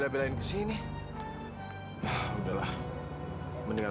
ngapain sih nanya mama ada dimana segala